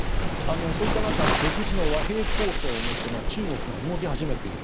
そういった中独自の和平構想を持って中国が動き始めている。